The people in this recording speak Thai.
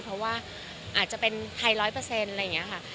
เพราะว่าอาจจะเป็นไทย๑๐๐อะไรอย่างนี้ค่ะ